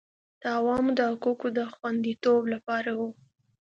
د عوامو د حقوقو د خوندیتوب لپاره وه